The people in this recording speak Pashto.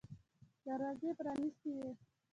دروازې پرانیستې وې.